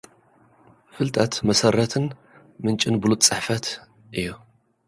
ፍልጠት፡ መሰረትን ምንጭን ብሉጽ ጽሕፈት እዩ።